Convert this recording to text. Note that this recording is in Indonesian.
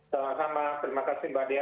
selamat malam terima kasih mbak diana